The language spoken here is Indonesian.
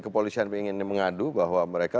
kepolisian ingin mengadu bahwa mereka